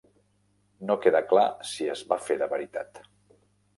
No queda clar si es va fer de veritat.